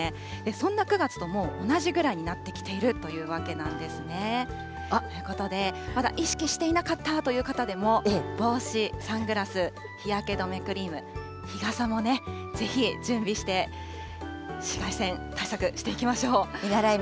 そんな９月ともう同じぐらいになってきているというわけなんですね。ということで、まだ意識していなかったという方でも、帽子、サングラス、日焼け止めクリーム、日傘もね、ぜひ準備して、紫外線対策していきましょう。